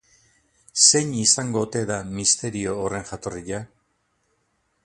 Zein izango ote da misterio horren jatorria?